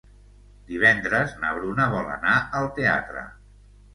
Divendres na Bruna vol anar al teatre.